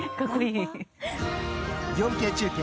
４Ｋ中継